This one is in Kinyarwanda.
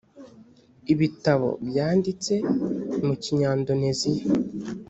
ibitabo byanditse mu kinyandoneziya.